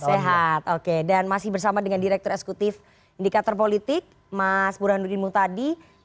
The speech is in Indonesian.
sehat oke dan masih bersama dengan direktur eksekutif indikator politik mas burhanuddin mutadi